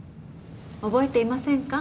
覚えていませんか？